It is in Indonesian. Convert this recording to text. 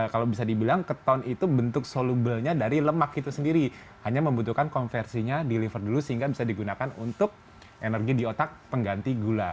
kalau bisa dibilang keton itu bentuk solubelnya dari lemak itu sendiri hanya membutuhkan konversinya di liver dulu sehingga bisa digunakan untuk energi di otak pengganti gula